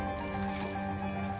すいません。